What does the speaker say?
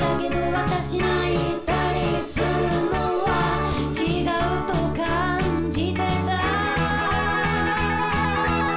「私泣いたりするのは違うと感じてた」